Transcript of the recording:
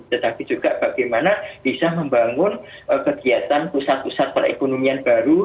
tetapi juga bagaimana bisa membangun kegiatan pusat pusat perekonomian baru